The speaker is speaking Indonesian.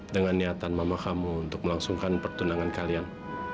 dengan niatan mama kamu untuk melangsungkan pertunangan kalian